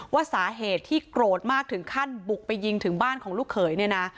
ว่าสาเหตุที่โกรธมากถึงขั้นบุกไปยิงถึงบ้านของลูกเขยเนี่ยนะ